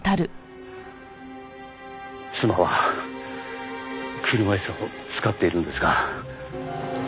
妻は車椅子を使っているんですが。